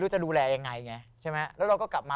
จะดูแลยังไงไงใช่ไหมแล้วเราก็กลับมา